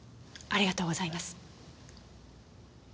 ありがとうございます。